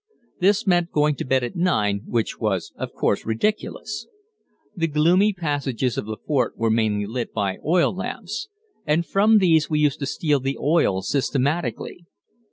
This meant going to bed at nine, which was of course ridiculous. The gloomy passages of the fort were mainly lit by oil lamps, and from these we used to steal the oil systematically.